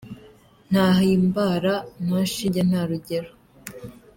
Nta Himbara, nta shinge nta rugero !